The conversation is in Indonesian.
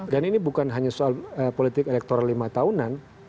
dan ini bukan hanya soal politik elektoral lima tahunan